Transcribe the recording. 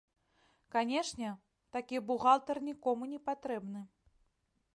Канешне, такі бухгалтар нікому не патрэбны.